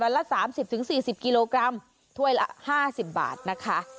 วันละสามสิบถึงสี่สิบกิโลกรัมถ้วยละห้าสิบบาทนะคะ